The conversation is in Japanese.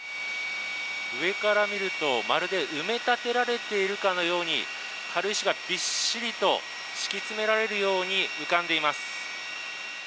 上から見ると、まるで埋め立てられているかのように軽石がびっしりと敷き詰められるように浮かんでいます。